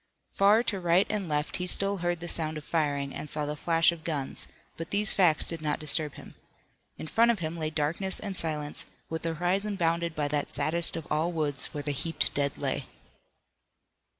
Far to right and left he still heard the sound of firing and saw the flash of guns, but these facts did not disturb him. In front of him lay darkness and silence, with the horizon bounded by that saddest of all woods where the heaped dead lay.